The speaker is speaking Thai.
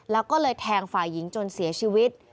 แล้วก็เลยแทงฝ่ายหญิงจนเสียชีวิต